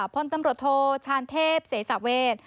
พลตำรวจโทชานเทพเสสาเวท